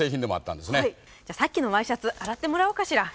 じゃあさっきのワイシャツ洗ってもらおうかしら。